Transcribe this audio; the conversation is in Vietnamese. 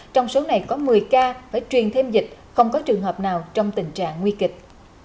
trong số này có một mươi ca phải truyền thêm dịch không có trường hợp nào trong tình trạng nguy kịch